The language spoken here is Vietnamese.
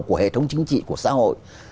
của hệ thống chính trị của xã hội